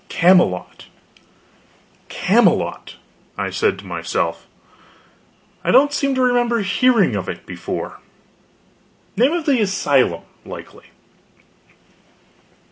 CAMELOT "Camelot Camelot," said I to myself. "I don't seem to remember hearing of it before. Name of the asylum, likely."